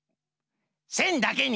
せんだけに。